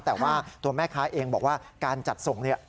แต่ว่าตัวแม่ค้าเองบอกว่าการจัดส่งเนี่ย